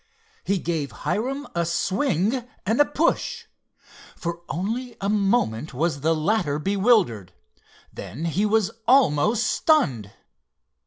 He gave Hiram a swing and a push. For only a moment was the latter bewildered. Then he was almost stunned.